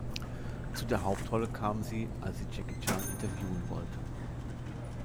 Zu der Hauptrolle kam sie, als sie Jackie Chan interviewen wollte.